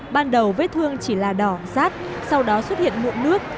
ban đầu vết thương chỉ là đỏ rát sau đó xuất hiện mụn nước